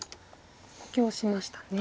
補強しましたね。